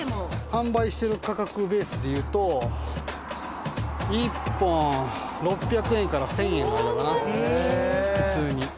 販売してる価格ベースでいうと、１本６００円から１０００円の間かな、普通に。